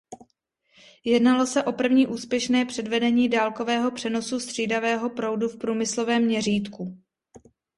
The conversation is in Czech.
Jednalo se o první úspěšné předvedení dálkového přenosu střídavého proudu v průmyslovém měřítku.